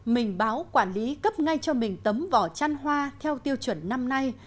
mình báo quản lý cấp ngay cho mình tấm vỏ chăn hoa theo tiêu chuẩn năm nay